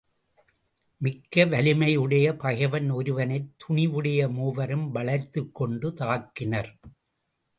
மிக்க வலிமையுடைய பகைவன் ஒருவனைத் துணிவுடைய மூவரும் வளைத்துக் கொண்டு தாக்கினர்.